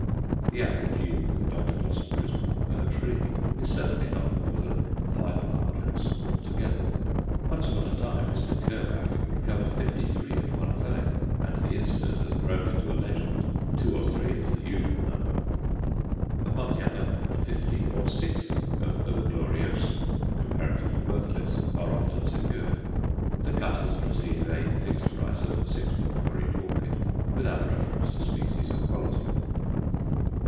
The average yield of Odontoglossum crispum per tree is certainly not more than five large and small together. Once upon a time Mr. Kerbach recovered fifty three at one felling, and the incident has grown into a legend; two or three is the usual number. Upon the other hand, fifty or sixty of O. gloriosum, comparatively worthless, are often secured. The cutters receive a fixed price of sixpence for each orchid, without reference to species or quality.